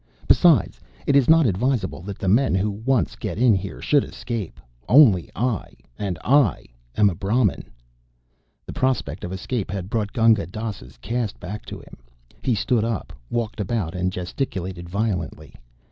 Besides, it is not advisable that the men who once get in here should escape. Only I, and I am a Brahmin." The prospect of escape had brought Gunga Dass's caste back to him. He stood up, walked about and gesticulated violently.